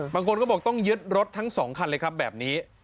บางคนบอกว่าต้องยึดรถทั้งสองคันแบบนี้